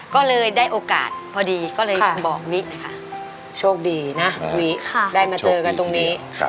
ก็เลยได้โอกาสพอดีก็เลยบอกมินะคะโชคดีนะวิได้มาเจอกันตรงนี้